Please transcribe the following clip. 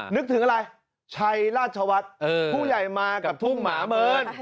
นึกถึงอะไรชัยราชวัฒน์ผู้ใหญ่มากับทุ่งหมาเมิน